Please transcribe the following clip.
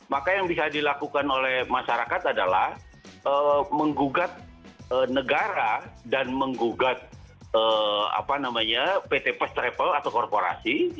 maka yang bisa dilakukan oleh masyarakat adalah menggugat negara dan menggugat pt first travel atau korporasi